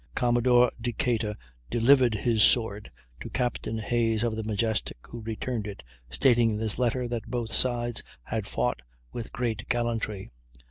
Commodore Decatur delivered his sword to Capt. Hayes of the Majestic, who returned it, stating in his letter that both sides had fought with great gallantry.